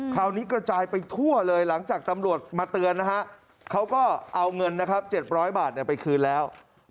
คราวนี้กระจายไปทั่วเลยหลังจากตำรวจมาเตือนนะฮะเขาก็เอาเงินนะครับ๗๐๐บาทไปคืนแล้ว